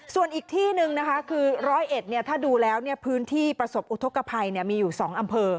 ส่วนอีกที่นึงคือร้อยเอ็ดถ้าดูแล้วเนี่ยพื้นที่ประสบอุทธกภัยเนี่ยมีอยู่๒อำเภอ